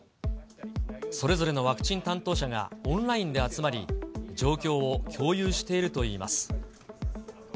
それぞれのワクチン担当者がオンラインで集まり、状況を共有しているといいます。